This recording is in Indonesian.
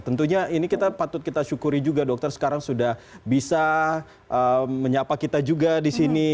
tentunya ini kita patut kita syukuri juga dokter sekarang sudah bisa menyapa kita juga di sini